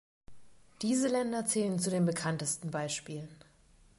Diese Länder zählen zu den bekanntesten Beispielen.